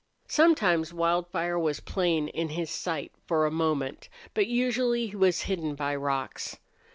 Sometimes Wildfire was plain in his sight for a moment, but usually he was hidden by rocks.